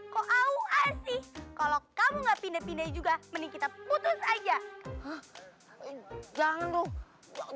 kau asyik kalau kamu nggak pindah pindah juga mending kita putus aja jangan dong